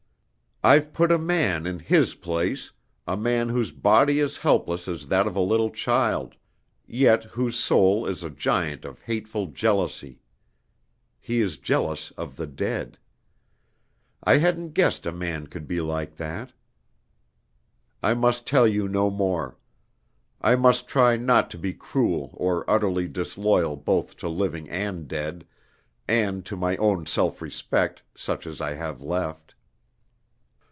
I've put a man in his place, a man whose body is helpless as that of a little child, yet whose soul is a giant of hateful jealousy. He is jealous of the dead. I hadn't guessed a man could be like that. I must tell you no more. I must try not to be cruel or utterly disloyal both to living and dead and to my own self respect, such as I have left.